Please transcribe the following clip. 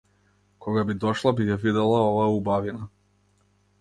Кога би дошла би ја видела оваа убавина.